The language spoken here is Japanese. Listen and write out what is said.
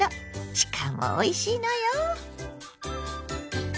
しかもおいしいのよ！